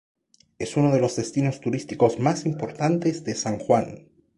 Es uno de los destinos turísticos más importantes de San Juan.